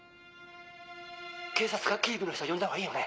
警察か警備の人呼んだほうがいいよね？